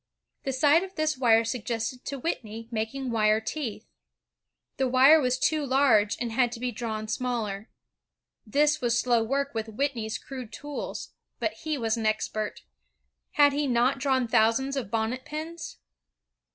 The sight of this wire suggested to Whitney making wire teeth. The wire was too large and had to be drawn smaller. This was slow work with Whitney's crude tools. But he was an expert. Had he not drawn thou sands of bonnet pins?